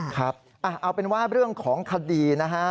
ครับเอาเป็นว่าเรื่องของคดีนะฮะ